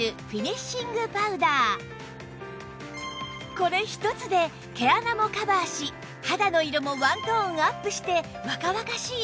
これ一つで毛穴もカバーし肌の色もワントーンアップして若々しい印象に！